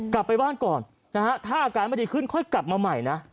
กลับไปบ้านก่อนนะฮะถ้าอาการไม่ดีขึ้นค่อยกลับมาใหม่นะ